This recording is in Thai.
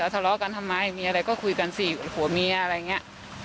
ทะเลาะกันทำไมมีอะไรก็คุยกันสิผัวเมียอะไรอย่างนี้